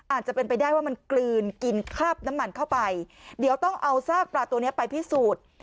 อาจจะเป็นไปได้ว่ามันกลืนกินคราบน้ำมันเข้าไปเดี๋ยวต้องเอาซากปลาตัวนี้ไปพิสูจน์